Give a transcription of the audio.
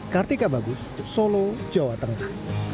kartika bagus solo jawa tengah